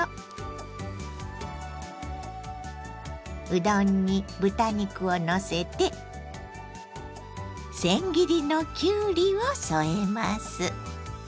うどんに豚肉をのせてせん切りのきゅうりを添えます。